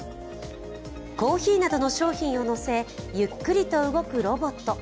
コーヒーなどの商品を載せゆっくりと動くロボット。